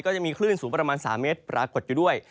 จะมีคลื่นสูงประมาณ๓เมตรปรากฏอยู่ด้วย